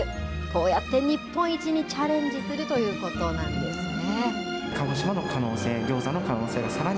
こうやって日本一にチャレンジするということなんですね。